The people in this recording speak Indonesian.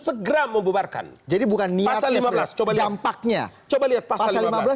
segera membebarkan jadi bukan nyata lima belas coba dampaknya coba lihat pasal